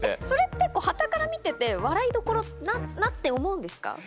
それってはたから見てて笑いどころだなって思うんですか？